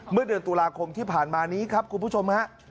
เมื่อเดือนตุลาคมที่ผ่านมานี้ครับคุณผู้ชมฮะ